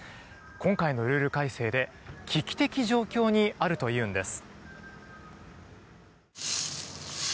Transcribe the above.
今回のルール改正で危機的状況にあるというんです。